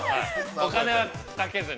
◆お金はかけずに。